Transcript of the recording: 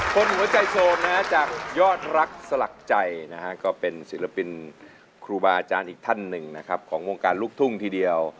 คนหัวใจโสมนะฮะจากยอดรักสลักใจนะฮะก็เป็นศิลปินครูบาอาจารย์อีกท่านหนึ่งนะครับของวงการลูกทุ่งทีเดียว